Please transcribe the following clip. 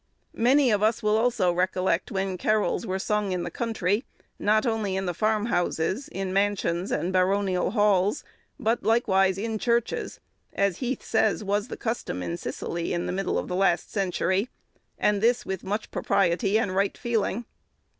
Many of us will also recollect when carols were sung in the country, not only in the farm houses, in mansions, and baronial halls, but likewise in churches—as Heath says, was the custom, in Scilly, in the middle of last century—and this with much propriety and right feeling.